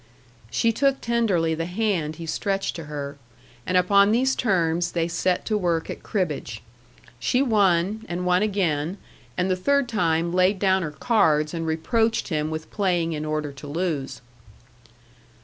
She took tenderly the hand he stretched to her; and upon these terms they set to work at cribbage. She won, and won again, and the third time laid down her cards and reproached him with playing in order to lose.